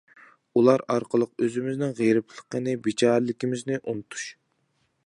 ئۇلار ئارقىلىق ئۆزىمىزنىڭ غېرىبلىقىنى، بىچارىلىكىمىزنى ئۇنتۇش!